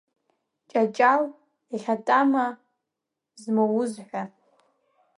Ҷаҷал ӷьатама змауз ҳәа.